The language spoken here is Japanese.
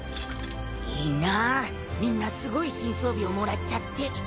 いいなみんなすごい新装備をもらっちゃって。